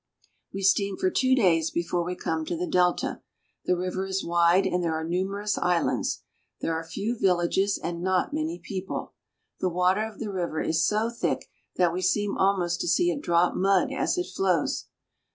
We steam for two days before we come to the delta. The river is wide, and there are numerous islands. There are few villages and not many people. The water of the river is so thick that we seem almost to see it drop mud as it flows.